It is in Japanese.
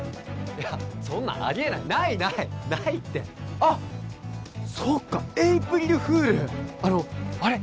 いやそんなありえないないないないってあそっかエープリルフールあれ